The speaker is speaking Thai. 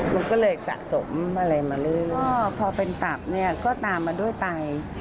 มันก็เลยสะสมอะไรมาเรื่อยพอเป็นตับเนี่ยก็ตามมาด้วยไต